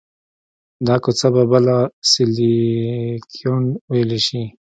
دا کوڅه به بله سیلیکون ویلي شي